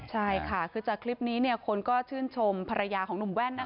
ใช่ค่ะคือจากคลิปนี้คนก็ชื่นชมภรรยาของหนุ่มแว่น